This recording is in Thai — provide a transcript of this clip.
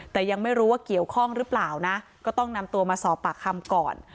แต่ยังไม่รู้ว่าเกี่ยวข้องหรือเปล่านะก็ต้องนำตัวมาสอบปากคำก่อน